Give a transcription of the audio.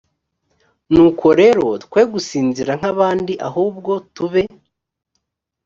nuko rero twe gusinzira nk abandi ahubwo tube